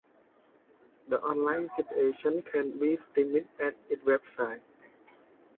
The online station can be streamed at its website.